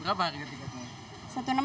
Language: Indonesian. berapa harga tiketnya